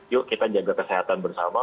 yuk kita jaga kesehatan bersama